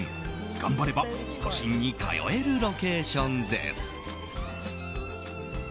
頑張れば都心に通えるロケーションです。